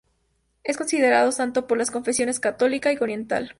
Es considerado santo por las confesiones católica y oriental.